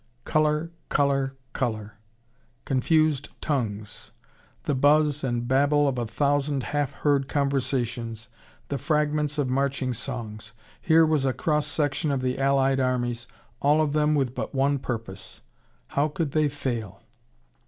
Color, color, color! Confused tongues, the buzz and babble of a thousand half heard conversations, the fragments of marching songs! Here was a cross section of the Allied Armies, all of them with but one purpose. How could they fail!